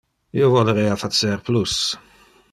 Io volerea facer plus.